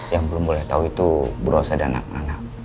yang belum boleh tahu itu berusaha anak anak